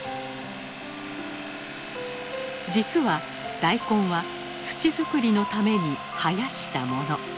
実はダイコンは土づくりのために生やしたもの。